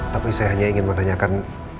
tapi saya hanya ingin menanyakan